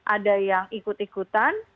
ada yang ikut ikutan